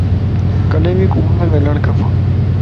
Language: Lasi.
ڪڏي بي ڪوڙ نه ڳالھاڙ کپ